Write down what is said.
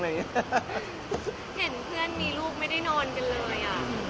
เห็นเพื่อนมีลูกไม่ได้นอนกันเลย